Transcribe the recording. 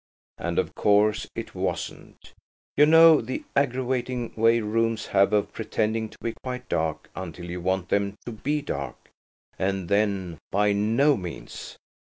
And, of course, it wasn't. You know the aggravating way rooms have of pretending to be quite dark until you want them to be dark–and then–by no means!